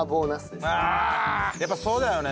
やっぱそうだよね。